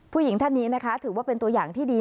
ผู้หญิงท่านนี้นะคะถือว่าเป็นตัวอย่างที่ดี